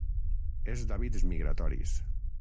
És d'hàbits migratoris.